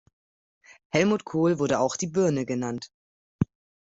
Helmut Kohl wurde auch "die Birne" genannt.